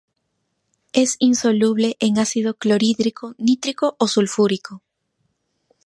Es insoluble en ácido clorhídrico, nítrico o sulfúrico.